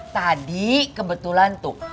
tadi kebetulan tuh